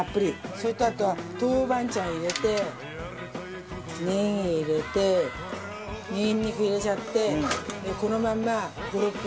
それとあとは豆板醤入れてネギ入れてニンニク入れちゃってこのまんま５６分。